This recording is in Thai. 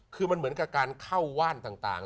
คือมันเหมือนกับการเข้าว่านต่าง